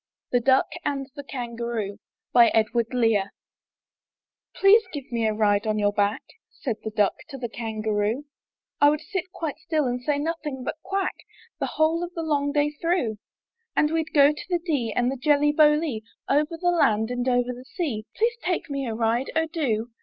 '' THE DUCK AND THE KANGAROO "Please give me a ride on your back," Said the duck to the kangaroo: ''I would sit quite still and say nothing but 'Quack' ! The whole of the long day through; And we'd go to the Dee, and the Jelly Bo Lee, Over the land and over the sea: Please take me a ride! Oh, do!"